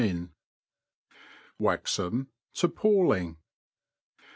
Waxham to Palling.